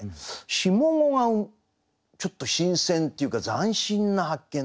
下五がちょっと新鮮っていうか斬新な発見だったなと。